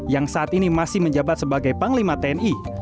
yang saat ini masih menjabat sebagai panglima tni